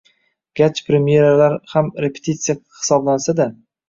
Garchi premyeralar ham repetitsiya hisoblansa-da